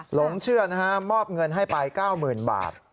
หลงเชื่อนะฮะมอบเงินให้ไป๙๐๐๐บาท